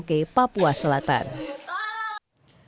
kasus ini pun masih didalaminya